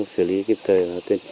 sử lý kịp thời